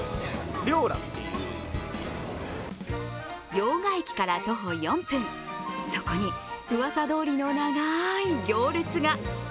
用賀駅から徒歩４分、そこにうわさどおりの長い行列が。